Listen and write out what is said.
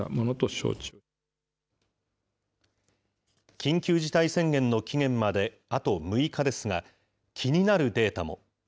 緊急事態宣言の期限まであと６日ですが、気になるデータも。